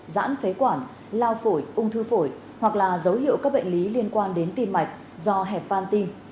giãn phế quản lao phổi ung thư phổi hoặc là dấu hiệu các bệnh lý liên quan đến tim mạch do hẹp van tim